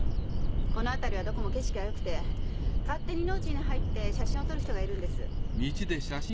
この辺りはどこも景色がよくて勝手に農地に入って写真を撮る人がいるんです。